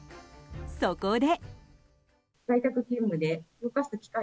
そこで。